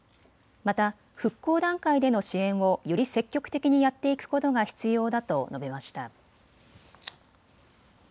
また復興段階での支援をより積極的にやっていくことが必要だと述べました。